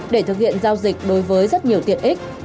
để thực hiện giao dịch đối với rất nhiều tiện ích